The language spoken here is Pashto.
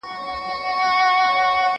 کېدای سي ليکنې اوږدې وي،